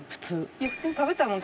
いや普通に食べたいもん